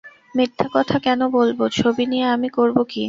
মিথ্যে কথা কেন বলব, ছবি নিয়ে আমি করব কী?